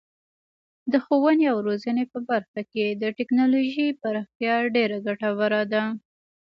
د ښوونې او روزنې په برخه کې د تکنالوژۍ پراختیا ډیره ګټوره ده.